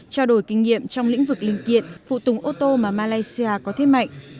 trao đổi kinh nghiệm trong lĩnh vực linh kiện phụ tùng ô tô mà malaysia có thế mạnh